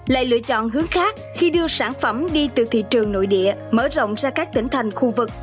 lại lựa chọn hướng khác khi đưa sản phẩm đi từ thị trường nội địa mở rộng ra các tỉnh thành khu vực